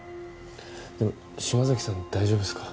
でも島崎さん大丈夫ですか？